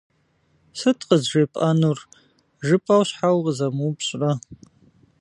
«Сыт къызжепӏэнур?» жыпӏэу, щхьэ укъызэмыупщӏрэ?